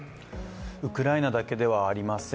ウクライナだけではありません。